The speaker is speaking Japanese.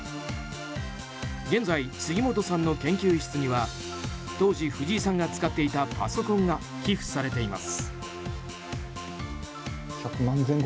現在、杉本さんの研究室には当時、藤井さんが使っていたパソコンが寄付されています。